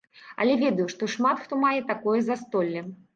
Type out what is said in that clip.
Але ведаю, што шмат хто мае такое застолле.